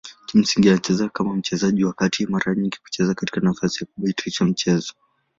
Kimsingi anacheza kama mchezaji wa kati mara nyingi kucheza katika nafasi kuboresha mchezo.